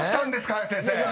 林先生］